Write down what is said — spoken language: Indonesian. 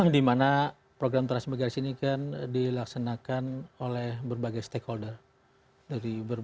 di mana program transmigrasi ini kan dilaksanakan oleh berbagai stakeholder dari berbagai